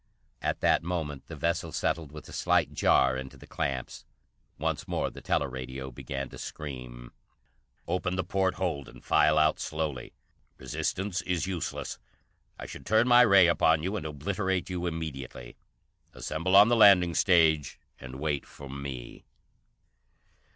At that moment the vessel settled with a slight jar into the clamps. Once more the teleradio began to scream: "Open the port hold and file out slowly. Resistance is useless. I should turn my ray upon you and obliterate you immediately. Assemble on the landing stage and wait for me!"